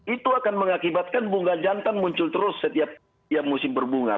itu akan mengakibatkan bunga jantan muncul terus setiap musim berbunga